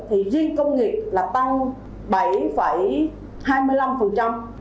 thì riêng công nghiệp là tăng